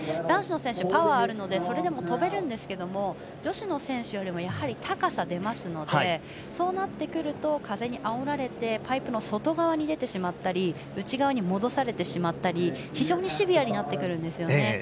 男子の選手はパワーがあるのでそれでも、とべますが女子の選手よりも高さが出ますのでそうなってくると風にあおられてパイプの外側に出てしまったり内側に戻されたり非常にシビアになってくるんですよね。